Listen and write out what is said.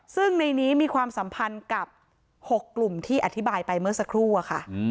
ซึ่งในนี้มีความสัมพันธ์กับ๖กลุ่มที่อธิบายไปเมื่อสักครู่อะค่ะ